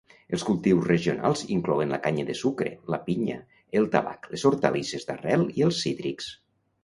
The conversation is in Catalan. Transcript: Els cultius regionals inclouen la canya de sucre, la pinya, el tabac, les hortalisses d'arrel i els cítrics.